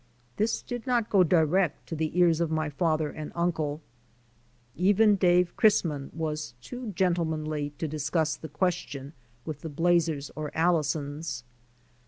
This did not go direct to the ears of my father and uncle. Even Dave Chrisman was too gentlemanly to discuss the question with the Blazers or Allisons.